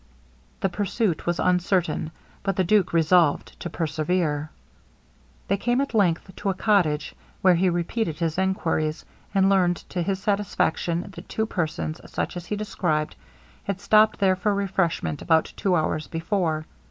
The pursuit was uncertain, but the duke resolved to persevere. They came at length to a cottage, where he repeated his enquiries, and learned to his satisfaction that two persons, such as he described, had stopped there for refreshment about two hours before.